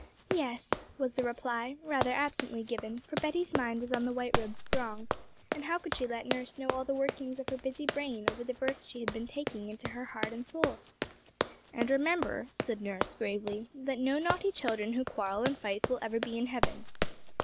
'Yes,' was the reply, rather absently given, for Betty's mind was on the white robed throng; and how could she let nurse know all the workings of her busy brain over the verse she had been taking into her heart and soul? 'And remember,' said nurse gravely, 'that no naughty children who quarrel and fight will ever be in heaven.'